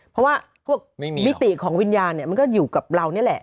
เพราะว่าพวกมิติของวิญญาณเนี่ยมันก็อยู่กับเรานี่แหละ